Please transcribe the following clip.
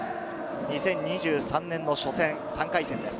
２０２３年の初戦、３回戦です。